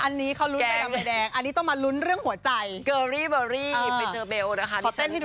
อันนี้เค้ารุ้นใจใหม่แดง